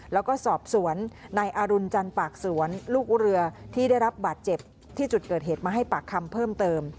แล้วก็สอบสวนนายอรุณจันทร์ปากสวนลูกเรือที่ได้รับบาดเจ็บที่จุดเกิดเหตุมาให้ปากคำเพิ่มเติม